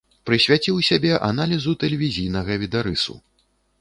Прысвяціў сябе аналізу тэлевізійнага відарысу.